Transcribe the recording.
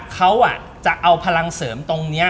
เขาจะเอาพลังเสริมตรงนี้